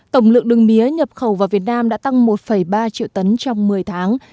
tổng lượng đường mía nhập khẩu vào việt nam đã tăng một ba triệu tấn trong một mươi tháng